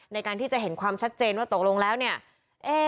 ในการที่จะเห็นความชัดเจนว่าตกลงแล้วเนี่ย